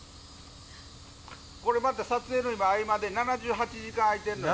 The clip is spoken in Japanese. これまた撮影の合間で７８時間、空いてるのよ。